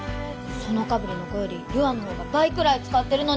その被りの子より優愛の方が倍くらい使ってるのに！